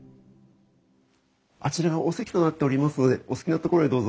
あちらがお席となっておりますのでお好きな所へどうぞ。